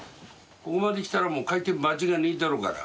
ここまで来たらもう開店間違いないだろうから。